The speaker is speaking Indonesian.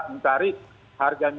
mencari harga minyak